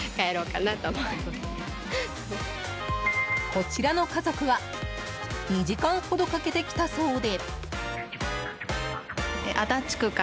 こちらの家族は２時間ほどかけて来たそうで。